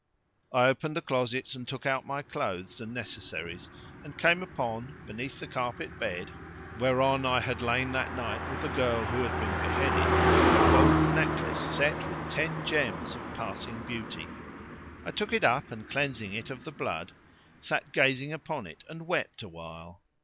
I opened the closets and took out my clothes and necessaries and came upon, beneath the carpet bed whereon I had lain that night with the girl who had been beheaded, a golden necklace set with ten gems of passing beauty. I took it up and, cleansing it of the blood, sat gazing upon it and wept awhile.